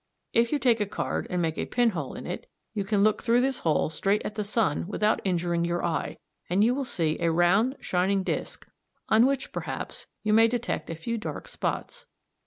If you take a card and make a pin hole in it, you can look through this hole straight at the sun without injuring your eye, and you will see a round shining disc on which, perhaps, you may detect a few dark spots.